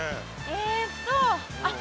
ええっとあっ